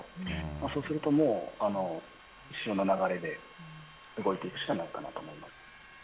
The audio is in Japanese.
そうするともう、潮の流れで動いていくしかないかなと思います。